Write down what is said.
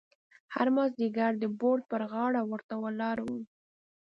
هر مازیګر به د بورد پر غاړه ورته ولاړ وم.